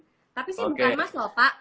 tapi sih bukan mas loh pak